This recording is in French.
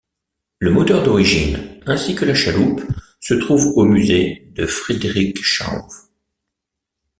Le moteur d'origine ainsi que la chaloupe se trouvent au musée de Frederikshavn.